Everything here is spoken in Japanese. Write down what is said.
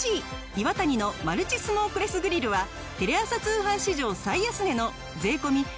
イワタニのマルチスモークレスグリルはテレ朝通販史上最安値の税込９９８０円。